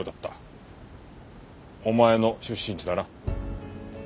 お前の出身地だな。